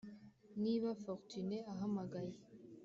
niba fortune ahamagaye,